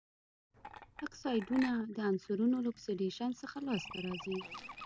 اکسایډونه د عنصرونو له اکسیدیشن څخه لاسته راځي.